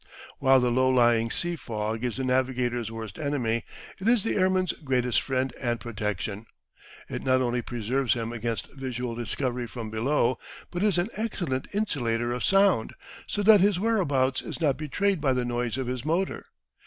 While the low lying sea fog is the navigator's worst enemy, it is the airman's greatest friend and protection. It not only preserves him against visual discovery from below, but is an excellent insulator of sound, so that his whereabouts is not betrayed by the noise of his motor.